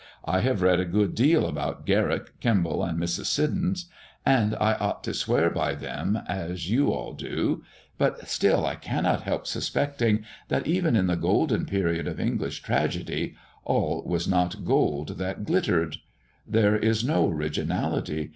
I have read a good deal about Garrick, Kemble, and Mrs. Siddons, and I ought to swear by them, as you all do; but still I cannot help suspecting that, even in the golden period of English tragedy, 'all was not gold that glittered.' There is no originality.